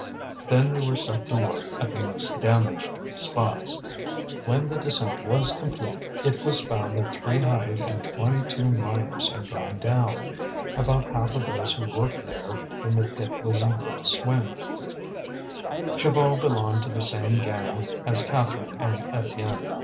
Then they were set to work at the most damaged spots. When the descent was complete, it was found that three hundred and twenty two miners had gone down, about half of those who worked there when the pit was in full swing. Chaval belonged to the same gang as Catherine and Étienne.